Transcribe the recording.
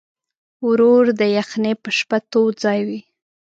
ورور د یخنۍ په شپه تود ځای وي.